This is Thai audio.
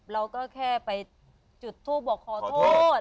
เราก็แค่ไปจุดทูปบอกขอโทษ